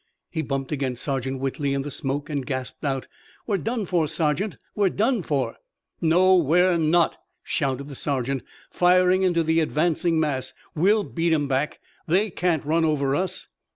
He bumped against Sergeant Whitley in the smoke and gasped out: "We're done for, Sergeant! We're done for!" "No, we're not!" shouted the sergeant, firing into the advancing mass. "We'll beat 'em back. They can't run over us!"